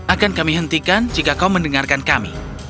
akan kami hentikan jika kau mendengarkan kami